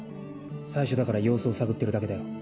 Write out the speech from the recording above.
最初だから様子を探ってるだけだよ。